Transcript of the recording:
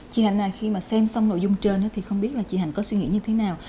chị hạnh này khi mà xem xong nội dung trên thì không biết là chị hạnh có suy nghĩ như thế nào